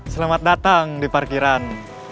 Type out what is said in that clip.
selamat datang di parkiran